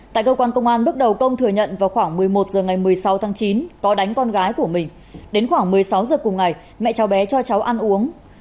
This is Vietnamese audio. tại cơ quan công an bước đầu công thừa nhận vào khoảng một mươi một h ngày một mươi sáu tháng chín có đánh con gái của mình đến khoảng một mươi sáu h cùng ngày mẹ cháu bé cho cháu ăn uống